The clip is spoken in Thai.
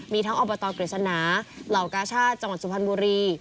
มีทั้งอบตกฤษณาเหล่ากาชาติจังหวัดสุพรรณบุรี